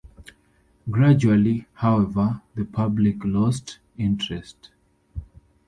Gradually, however, the public lost interest.